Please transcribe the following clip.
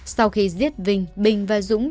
sau khi giết vinh bình và dũng